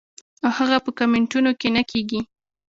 او هغه پۀ کمنټونو کښې نۀ کيږي -